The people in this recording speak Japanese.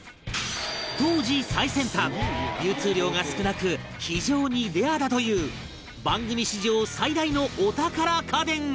当時最先端流通量が少なく非常にレアだという番組史上最大のお宝家電が